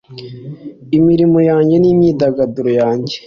Imirimo yanjye nimyidagaduro yanjye